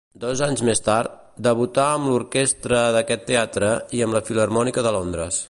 Dos anys més tard, debutà amb l'orquestra d'aquest teatre i amb la Filharmònica de Londres.